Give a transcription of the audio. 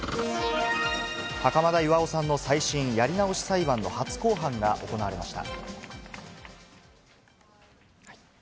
袴田巌さんの再審・やり直し裁判の初公判が行われました。